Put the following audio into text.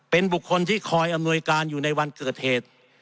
เป็นบุคคลที่คอยอำนวยการอยู่ในวันเกิดเหตุ